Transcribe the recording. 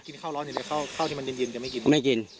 กินข้าวร้อนอย่างเดียวข้าวที่มันเย็นจะไม่กิน